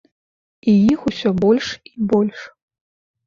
І іх усё больш і больш.